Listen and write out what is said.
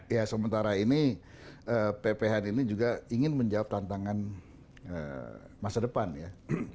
ya sementara ini pphn ini juga ingin menjawab tantangan masa depan ya